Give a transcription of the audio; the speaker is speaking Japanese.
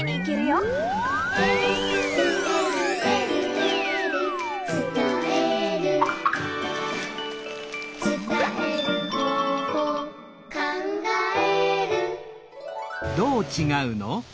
「えるえるえるえる」「つたえる」「つたえる方法」「かんがえる」